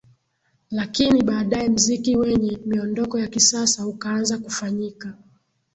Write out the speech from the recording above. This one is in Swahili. Lakini baadae mziki wenye miondoko ya kisasa ukaanza kufanyika